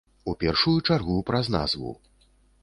У першую чаргу праз назву.